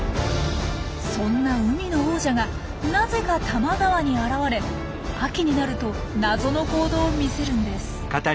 そんな海の王者がなぜか多摩川に現れ秋になると謎の行動を見せるんです。